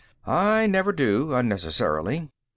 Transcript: "I never do, unnecessarily.